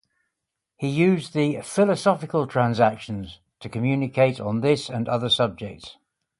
He used the "Philosophical Transactions" to communicate on this and other subjects.